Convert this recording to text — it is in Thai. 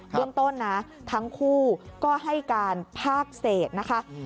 เรื่องต้นนะทั้งคู่ก็ให้การภาคเศษนะคะ